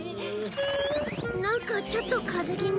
なんかちょっと風邪気味で。